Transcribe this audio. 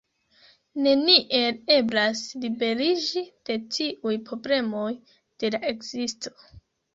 Neniel eblas liberiĝi de tiuj problemoj de la ekzisto.